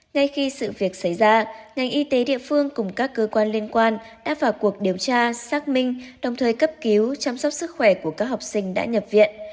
ngay khi sự việc xảy ra ngành y tế địa phương cùng các cơ quan liên quan đã vào cuộc điều tra xác minh đồng thời cấp cứu chăm sóc sức khỏe của các học sinh đã nhập viện